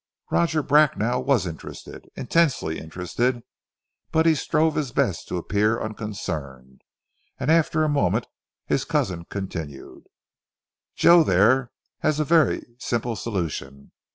Roger Bracknell was interested, intensely interested, but he strove his best to appear unconcerned, and after a moment his cousin continued "Joe there has a very simply solution.